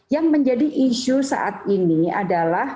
yang menjadi isu saat ini adalah